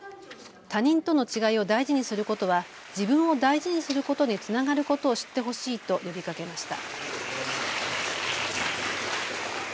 他人との違いを大事にすることは自分を大事にすることにつながることを知ってほしいと呼びかけました。